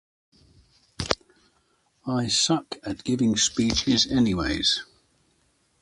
I suck at giving speeches anyways.